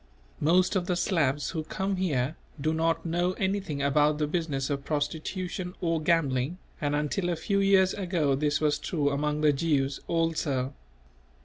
Most of the Slavs who come here do not know anything about the business of prostitution or gambling; and until a few years ago this was true among the Jews also.